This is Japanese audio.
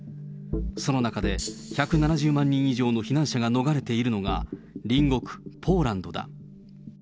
その中で、１７０万人以上の避難者が逃れているのが隣国、ポーランドだ。